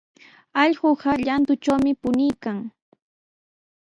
Allquqa llantutrawmi puñuykan.